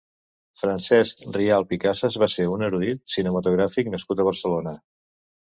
Francesc Rialp i Casas va ser un erudit cinematogràfic nascut a Barcelona.